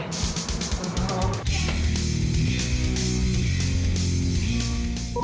โอ้โฮ